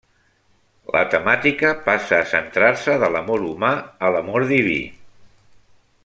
La temàtica passa a centrar-se de l'amor humà a l'amor diví.